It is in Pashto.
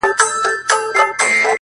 ما خو زولني په وینو سرې پکښي لیدلي دي!